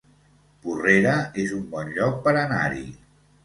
Porrera es un bon lloc per anar-hi